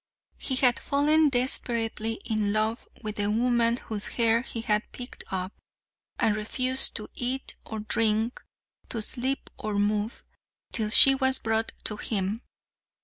He had fallen desperately in love with the woman whose hair he had picked up, and refused to eat, or drink, or sleep, or move, till she was brought to him.